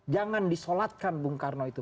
jangan disolatkan bung karno itu